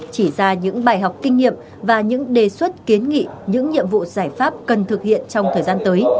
chỉ ra những bài học kinh nghiệm và những đề xuất kiến nghị những nhiệm vụ giải pháp cần thực hiện trong thời gian tới